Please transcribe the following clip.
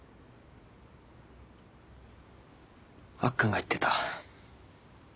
アッくんが言ってた。